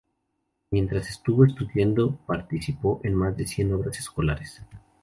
Mientras estuvo estudiando participó en más de cien obras escolares.